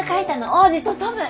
王子とトム！